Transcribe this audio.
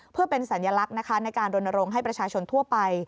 เพื่อเป็นสัญลักษณ์นะคะในการรณรงค์ให้ประชาชนทั่วไป